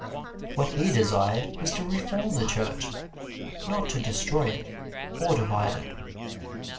What he desired was to reform the Church, not to destroy it or divide it.